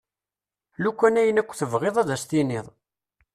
Lukan akk ayen tebɣiḍ ad as-tiniḍ.